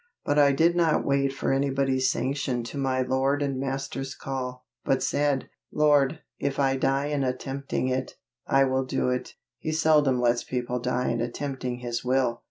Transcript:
But I did not wait for anybody's sanction to my Lord and Master's call; but said, "Lord, if I die in attempting it, I will do it." He seldom lets people die in attempting His will.